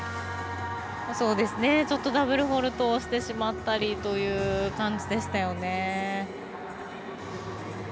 ちょっとダブルフォールトをしてしまったりという感じでしたよね。